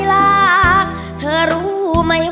เพราะเธอชอบเมือง